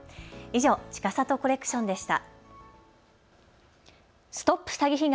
以上、ちかさとコレクションでした。